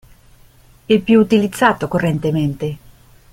Il più utilizzato correntemente.